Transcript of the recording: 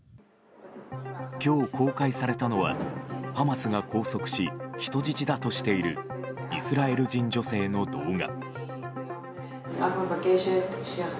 今日公開されたのはハマスが拘束し人質だとしているイスラエル人女性の動画。